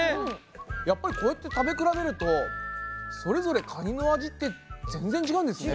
やっぱりこうやって食べ比べるとそれぞれカニの味って全然違うんですね。